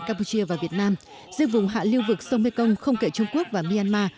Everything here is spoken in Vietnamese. campuchia và việt nam dưới vùng hạ liêu vực sông mê công không kể trung quốc và myanmar